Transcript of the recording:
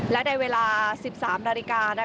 และในเวลา๑๓นาฬิกา